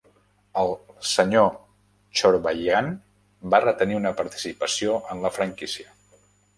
El Sr Chorbajian va retenir una participació en la franquícia.